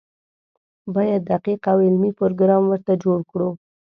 باید دقیق او علمي پروګرام ورته جوړ کړو.